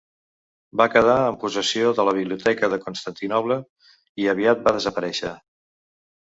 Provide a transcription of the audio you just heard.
Va quedar en possessió de la Biblioteca de Constantinoble i aviat va desaparèixer.